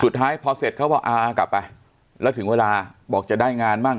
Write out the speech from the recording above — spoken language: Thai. สุดท้ายพอเสร็จเขาบอกอ่ากลับไปแล้วถึงเวลาบอกจะได้งานบ้าง